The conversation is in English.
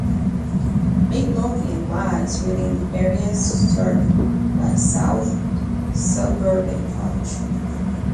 Midlothian lies within the area served by South Suburban College.